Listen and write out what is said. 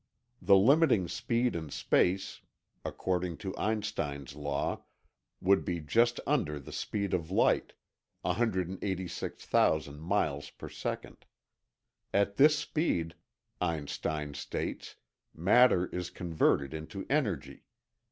The limiting speed in space, according to Einstein's law, would be just under the speed of light—186,000 miles per second. At this speed, Einstein states, matter is converted into energy.